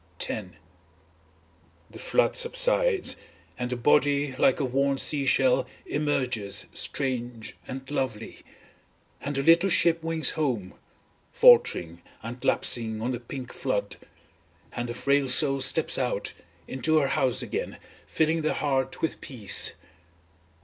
X The flood subsides, and the body, like a worn sea shell emerges strange and lovely. And the little ship wings home, faltering and lapsing on the pink flood, and the frail soul steps out, into the house again filling the heart with peace.